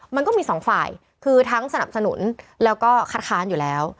มันก็มีสองฝ่ายคือทั้งสนับสนุนแล้วก็คัดค้านอยู่แล้ว